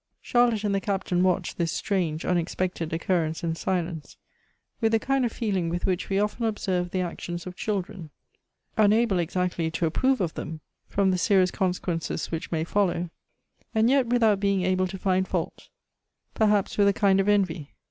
Charlotte and the Captain Avatched this strange unex pected occurrence in silence, with the kind of feeling with which we. often observe the actions of children — unable exactly to approve of them, from the serious consequences which may follow, and yet without being able to find fault, perhaps with a kind of envy.